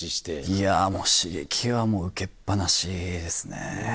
いやもう刺激は受けっ放しですね。